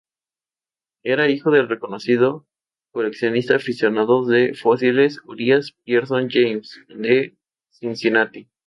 Era hijo del reconocido coleccionista aficionado de fósiles Urías Pierson James, de Cincinnati.